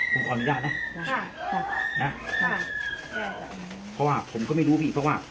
ผมขออนุญาตนะนะค่ะเพราะว่าผมก็ไม่รู้พี่เพราะว่า